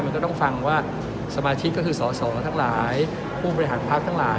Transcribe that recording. มันก็ต้องฟังว่าสมาชิกก็คือสอสอทั้งหลายผู้บริหารพักทั้งหลาย